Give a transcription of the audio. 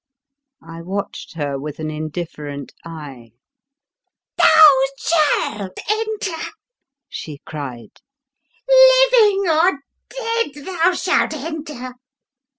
I watched her with an indifferent eye. '' Thou shalt enter !'' she cried ;" living or dead, thou shalt enter!"